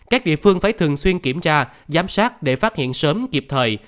các địa phương phải thường xuyên kiểm tra giám sát để phát hiện sớm kịp thời